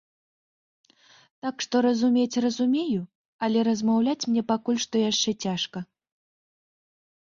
Так што разумець разумею, але размаўляць мне пакуль што яшчэ цяжка.